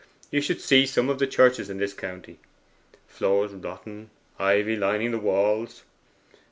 You should see some of the churches in this county. Floors rotten: ivy lining the walls.